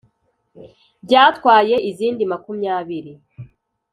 byatwaye izindi makumyabiri